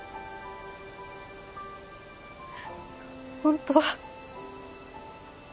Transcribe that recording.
ホントは。